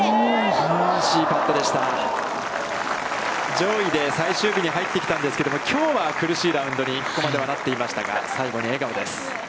上位で最終日に入ってきたんですけれども、きょうは苦しいラウンドに、ここまではなっていましたが、最後に笑顔です。